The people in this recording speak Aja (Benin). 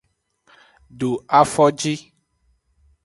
Do afoji.